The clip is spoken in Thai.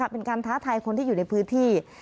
เป็นการท้าทายคนที่อยู่ในพื้นที่